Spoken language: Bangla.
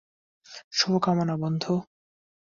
শুভকামনা, বন্ধু।